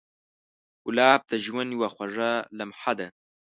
ګلاب د ژوند یو خوږ لمحه ده.